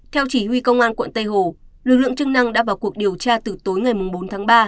theo chỉ huy công an quận tây hồ lực lượng chức năng đã vào cuộc điều tra từ tối ngày bốn tháng ba